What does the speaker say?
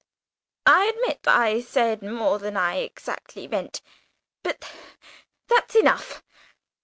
I admit I said more than I exactly meant. But that's enough.